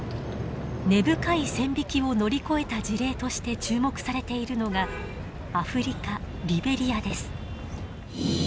根深い線引きを乗り越えた事例として注目されているのがアフリカリベリアです。